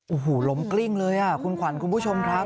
โอ้โหล้มกลิ้งเลยคุณขวัญคุณผู้ชมครับ